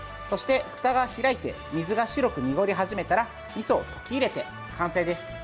そして、ふたが開いて水が白く濁り始めたらみそを溶き入れて完成です。